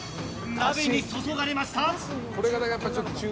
鍋に注がれました！